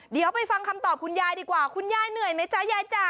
เดี๋ยวไปฟังคำตอบคุณยายดีกว่าคุณยายเหนื่อยไหมจ๊ะยายจ๋า